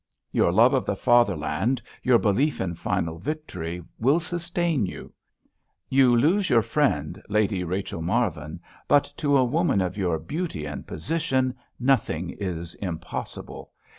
"Your love of the Fatherland, your belief in final victory, will sustain you. You lose your friend, Lady Rachel Marvin, but to a woman of your beauty and position nothing is impossible.